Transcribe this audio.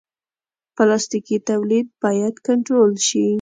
پلاستيکي تولید باید کنټرول شي.